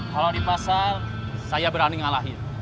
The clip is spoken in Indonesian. kalau di pasar saya berani ngalahin